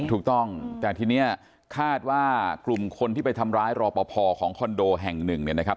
ถูกต้องแต่ทีนี้คาดว่ากลุ่มคนที่ไปทำร้ายรอปภของคอนโดแห่งหนึ่งเนี่ยนะครับ